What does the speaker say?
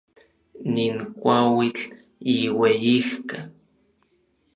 Nin kuauitl yiueyijka.